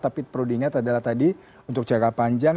tapi perlu diingat adalah tadi untuk jangka panjang